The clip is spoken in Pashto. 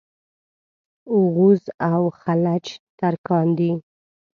اوغوز او خَلَج ترکان دي.